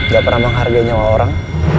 gak pernah menghargai nyawa orang